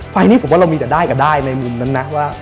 ไฟล์นี้ผมว่าเรามีแต่ได้กับได้ในมุมนั้นนะว่า